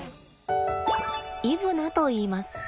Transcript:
イブナといいます。